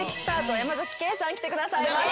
山ケイさん来てくださいました。